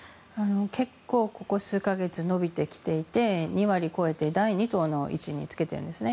結構、ここ数か月伸びてきていて２割を超えて、第２党の位置につけてるんですね。